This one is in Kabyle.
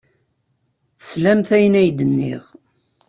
Teslamt ayen ay d-nniɣ.